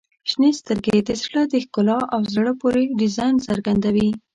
• شنې سترګې د زړه د ښکلا او زړه پورې ډیزاین څرګندوي.